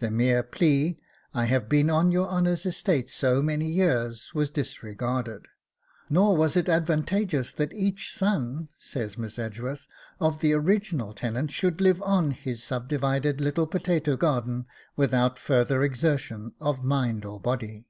The mere plea, 'I have been on your Honour's estate so many years,' was disregarded. 'Nor was it advantageous that each son,' says Miss Edgeworth, 'of the original tenant should live on his subdivided little potato garden without further exertion of mind or body.